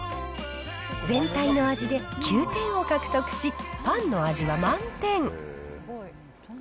全体の味で９点を獲得し、パンの味は満点。